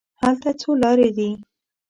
هلته څو لارې دي.